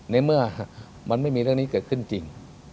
ในเมื่อมันไม่มีเรื่องนี้เกิดขึ้นจริง